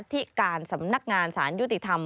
ที่การสำนักงานสารยุติธรรม